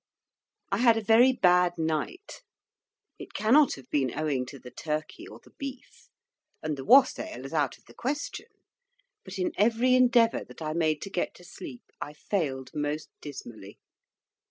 I had a very bad night. It cannot have been owing to the turkey or the beef, and the Wassail is out of the question but in every endeavour that I made to get to sleep I failed most dismally.